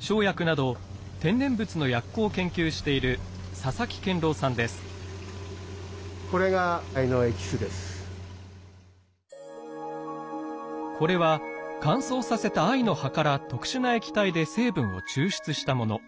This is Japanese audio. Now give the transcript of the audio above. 生薬など天然物の薬効を研究しているこれは乾燥させた藍の葉から特殊な液体で成分を抽出したもの。